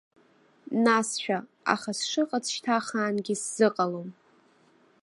Насшәа, аха сшыҟац шьҭа ахаангьы сзыҟалом.